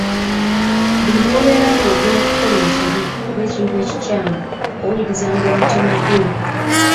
Buli lw’obeera ng'ogenda kukola ensobi oba ekintu ekikyamu owulirizanga omutima gwo.